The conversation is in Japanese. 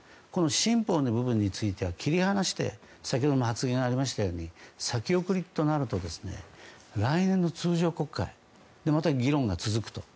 新法の動きについては切り離して先ほども発言がありましたように先送りとなると来年も通常国会でまた議論が続くと。